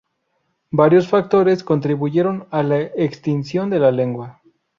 Varios factores contribuyeron a la extinción de la lengua.